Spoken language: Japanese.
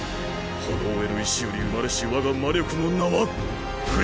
覇道への意志より生まれし我が魔力の名は「砕貫」！